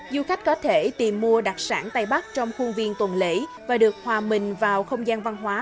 du khách có thể tìm mua đặc sản tây bắc trong khuôn viên tuần lễ và được hòa mình vào không gian văn hóa